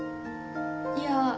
いや。